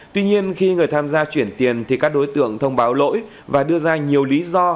tuy nhiên khi người tham gia chuyển tiền thì các đối tượng thông báo lỗi và đưa ra nhiều lý do